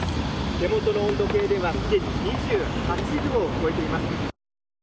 手元の温度計ではすでに２８度を超えています。